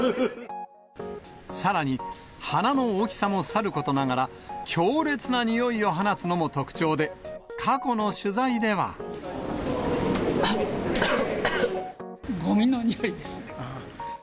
さらに花の大きさもさることながら、強烈なにおいを放つのも特徴で、ごみのにおいですね。